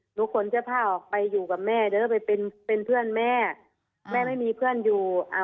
หนูขนเจ้าผ้าออกไปอยู่กับแม่เดี๋ยวไปเป็นเพื่อนแม่แม่ไม่มีเพื่อนอยู่